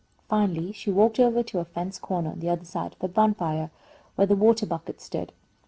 Finally she walked over to a fence corner on the other side of the bonfire, where the water bucket stood.